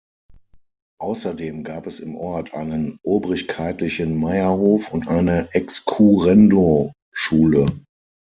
Außerdem gab es im Ort einen obrigkeitlichen Meierhof und eine Excurrendo-Schule.